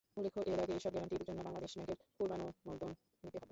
উল্লেখ্য, এর আগে এসব গ্যারান্টির জন্য বাংলাদেশ ব্যাংকের পূর্বানুমোদন নিতে হত।